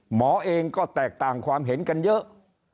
หมอเองก็แตกต่างความเห็นกันเยอะ